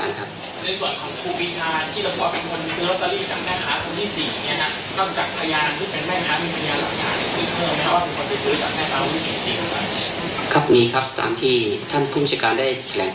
ภาพขณะซื้อนะครับมีแต่พยานบุคคลตรงที่ซื้อ